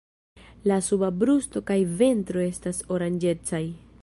La suba brusto kaj ventro estas oranĝecaj.